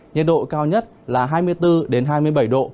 nhiệt độ cao nhất là hai mươi bốn hai mươi bảy độ